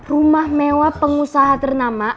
rumah mewah pengusaha ternama